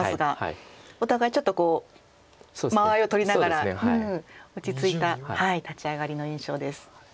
お互いちょっと間合いを取りながら落ち着いた立ち上がりの印象です。